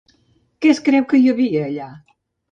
Què es creu que hi havia, allà?